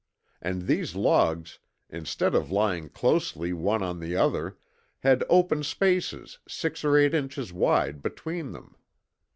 And these logs, instead of lying closely one on the other, had open spaces six or eight inches wide between them.